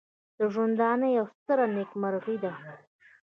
د ژوندانه یوه ستره نېکمرغي ده.